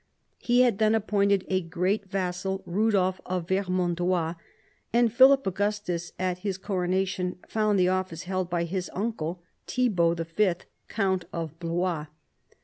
He had then appointed a great vassal, Rudolf of Vermandois, and Philip Augustus at his coronation found the office held by his uncle, Thibault V., count of Blois.